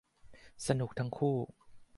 สนุกทั้งคู่